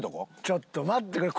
ちょっと待ってくれ。